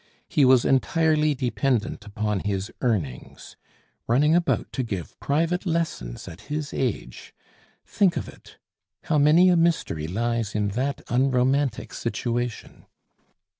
He was entirely dependent upon his earnings. Running about to give private lessons at his age! Think of it. How many a mystery lies in that unromantic situation!